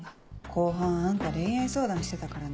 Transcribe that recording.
後半あんた恋愛相談してたからね。